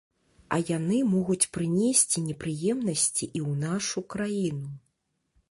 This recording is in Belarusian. А яны могуць прынесці непрыемнасці і ў нашу краіну.